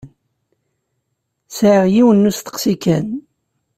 Sɛiɣ yiwen n usteqsi kan.